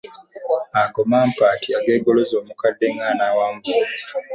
Ago maampaati ageegoloza omukadde ng'anawanvuwa.